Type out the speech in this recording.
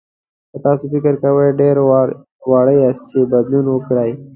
که تاسو فکر کوئ ډېر واړه یاست چې بدلون وکړئ.